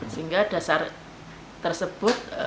sehingga dasar tersebut